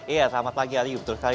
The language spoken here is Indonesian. iya selamat pagi ari betul sekali